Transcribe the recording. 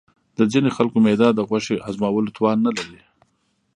د ځینې خلکو معده د غوښې هضمولو توان نه لري.